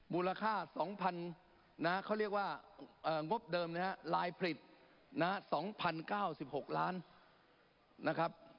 มูลค่า๒๐๐๐นะเขาเรียกว่างบเดิมนะฮะลายผลิต๒๐๙๖ล้านนะครับ